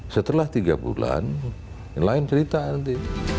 setelah tiga bulan yang lain cerita nanti